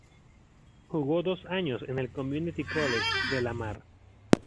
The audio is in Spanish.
Jugó dos años en el Community College de Lamar.